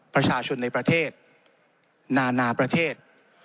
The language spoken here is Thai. ประชาชนในประเทศนานาประเทศ